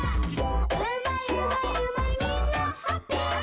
「うまいうまいうまいみんなハッピー」「」